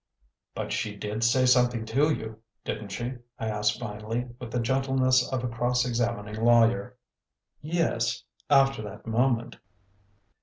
"But she did say something to you, didn't she?" I asked finally, with the gentleness of a cross examining lawyer. "Yes after that moment."